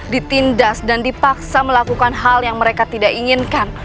ditindas dan dipaksa melakukan hal yang mereka tidak inginkan